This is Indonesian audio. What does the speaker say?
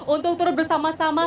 untuk terus bersama sama